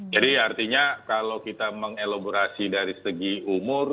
jadi artinya kalau kita mengelaborasi dari segi umur